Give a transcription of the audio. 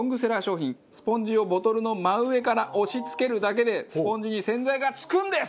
スポンジをボトルの真上から押し付けるだけでスポンジに洗剤が付くんです！